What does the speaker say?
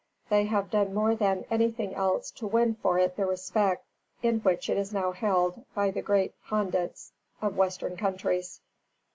They have done more than anything else to win for it the respect in which it is now held by the great pandits of western countries.